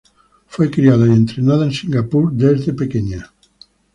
Fue criada y entrenada en Singapur desde pequeña.